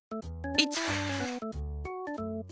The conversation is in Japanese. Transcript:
１！